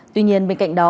tuy nhiên bên cạnh đó